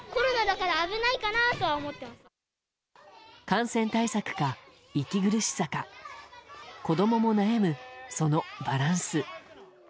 感染対策か息苦しさか子供も悩む、そのバランス。